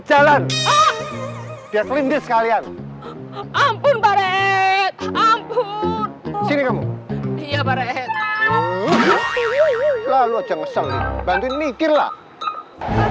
jalan biar kelima sekalian ampun paret ampun sini kamu iya baret lalu aja ngeselin bantuin mikirlah